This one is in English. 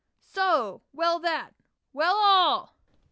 So! well that!" "Well all!"